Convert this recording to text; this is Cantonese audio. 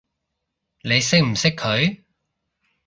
你識唔識佢？